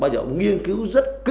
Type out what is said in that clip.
bây giờ nghiên cứu rất kỹ